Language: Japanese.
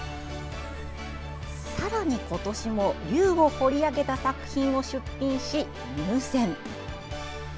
さらに今年も龍を彫り上げた作品を出品し、入選。